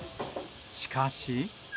しかし。